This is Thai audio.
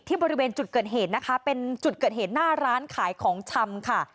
บริเวณจุดเกิดเหตุนะคะเป็นจุดเกิดเหตุหน้าร้านขายของชำค่ะ